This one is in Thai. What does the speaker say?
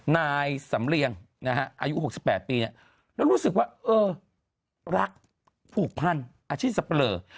นายสำเรียงอายุ๖๘ปีแล้วรู้สึกว่าเออรักผูกพันอาชีพสับปะเลอ